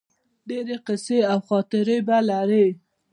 ډیرې قیصې او خاطرې به لرې